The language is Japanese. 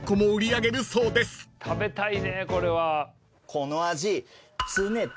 この味。